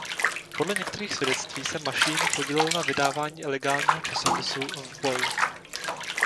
Podle některých svědectví se Mašín podílel na vydávání ilegálního časopisu "V boj".